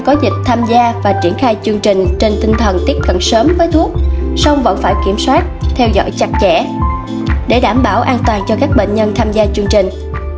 có dịch tham gia và triển khai chương trình trên tinh thần tiếp cận sớm với thuốc song vẫn phải kiểm soát theo dõi chặt chẽ để đảm bảo an toàn cho các bệnh nhân tham gia chương trình